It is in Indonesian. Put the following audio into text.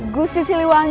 gua sisi lewangi